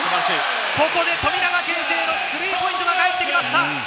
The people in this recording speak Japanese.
ここで富永啓生のスリーポイントが帰ってきました。